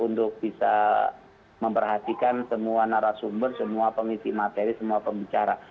untuk bisa memperhatikan semua narasumber semua pengisi materi semua pembicara